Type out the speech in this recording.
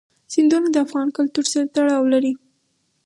سیندونه د افغان کلتور سره تړاو لري.